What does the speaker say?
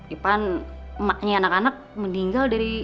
ipan emaknya anak anak meninggal dari